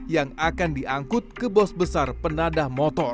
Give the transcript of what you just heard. yang akan diangkut ke bos besar penadah motor